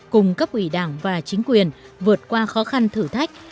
cung cấp ủy đảng và chính quyền vượt qua khó khăn thử thách